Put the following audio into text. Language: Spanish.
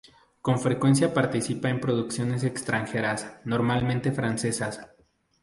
Con frecuencia participa en producciones extranjeras, normalmente francesas.